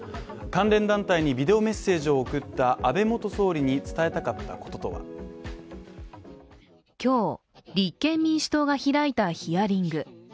関連団体にビデオメッセージを送った安倍元総理に伝えたかったこととは今日、立憲民主党が開いたヒアリング。